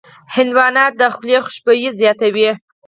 هندوانه د خولې خوشبويي زیاتوي.